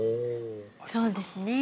◆そうですね。